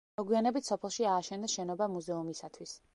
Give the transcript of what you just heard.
მოგვიანებით სოფელში ააშენეს შენობა მუზეუმისათვის.